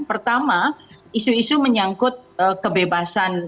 pertama isu isu menyangkut kebebasan